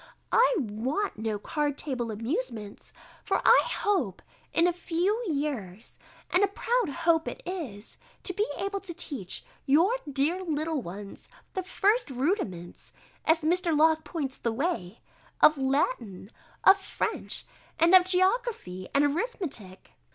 I want no card table amusements; for I hope, in a few years (and a proud hope it is), to be able to teach your dear little ones the first rudiments, as Mr. Locke points the way, of Latin, of French, and of geography, and arithmetic.